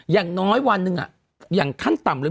อย่างน้อยวันหนึ่งอย่างขั้นต่ำเลย